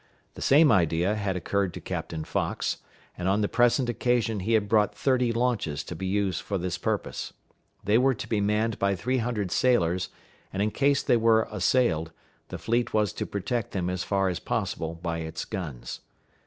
The same idea had occurred to Captain Fox; and on the present occasion he had brought thirty launches to be used for this purpose. They were to be manned by three hundred sailors, and in case they were assailed, the fleet was to protect them as far as possible by its guns.